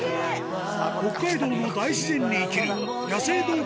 北海道の大自然に生きる野生動物